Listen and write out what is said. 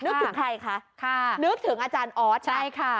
นึกถึงใครคะนึกถึงอาจารย์ออสนะใช่ค่ะ